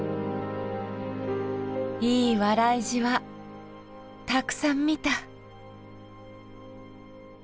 いい笑い皺たくさん見た。